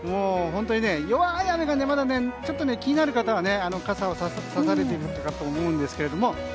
弱い雨がまだ気になる方は傘をさされているかと思うんですけども。